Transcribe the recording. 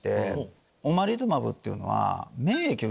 オマリズマブっていうのは。